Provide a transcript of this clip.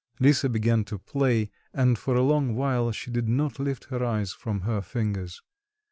Lisa began to play, and for a long while she did not lift her eyes from her fingers.